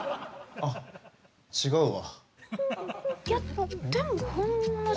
あっ違うわ。